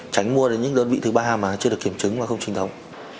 tránh mua đến những đơn vị thứ ba mà chưa được kiểm chứng và không chính thống